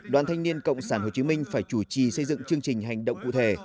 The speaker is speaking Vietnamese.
đoàn thanh niên cộng sản hồ chí minh phải chủ trì xây dựng chương trình hành động cụ thể